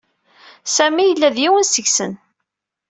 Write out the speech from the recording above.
Sami yella d yiwen seg-sen.